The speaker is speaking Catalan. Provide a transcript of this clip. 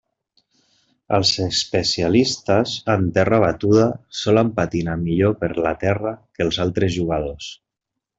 Els especialistes en terra batuda solen patinar millor per la terra que els altres jugadors.